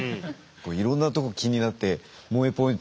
いろんなとこ気になって萌えポイント！